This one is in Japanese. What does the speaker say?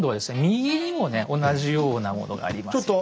右にもね同じようなものがありますよね。